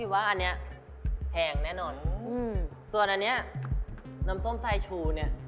ว่าอันเนี้ยแพงแน่นอนอืมส่วนอันเนี้ยน้ำส้มสายชูเนี่ย